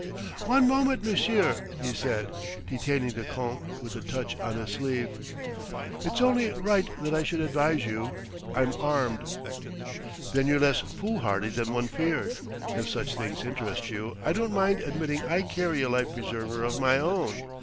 "One moment, monsieur!" he said, detaining the Count with a touch on his sleeve. "It's only right that I should advise you ... I'm armed." "Then you're less foolhardy than one feared. If such things interest you, I don't mind admitting I carry a life preserver of my own.